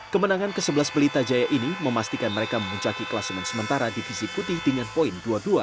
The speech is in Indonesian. kemenangan ke sebelas pelita jaya ini memastikan mereka memuncaki kelas men sementara divisi putih dengan poin dua puluh dua